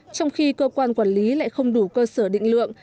trong khi cơ quan quản lý lại không đủ cơ sở định lượng